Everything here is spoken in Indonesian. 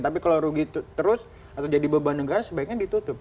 tapi kalau rugi terus atau jadi beban negara sebaiknya ditutup